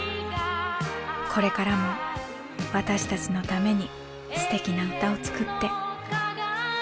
これからも私たちのためにすてきな歌を作って歌い続けて下さい。